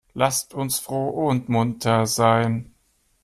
Lasst uns froh und munter sein!